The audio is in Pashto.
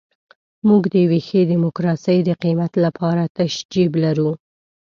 موږ د یوې ښې ډیموکراسۍ د قیمت لپاره تش جیب لرو.